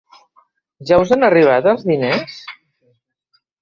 Ja us han arribat els diners?